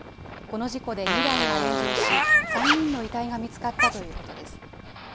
この事故で２台が炎上し、３人の遺体が見つかったということです。